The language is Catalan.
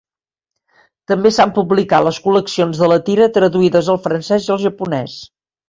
També s'han publicat les col·leccions de la tira traduïdes al francès i al japonès.